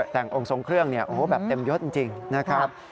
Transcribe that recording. แต่งองค์ทรงเครื่องแบบเต็มยศจริงนะครับ